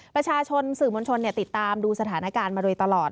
ประชาชนสื่อมวลชนติดตามดูสถานการณ์มาโดยตลอด